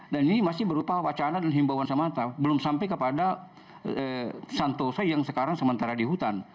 dan ini masih berupa wacana dan himbauan semata belum sampai kepada santoso yang sekarang sementara di hutan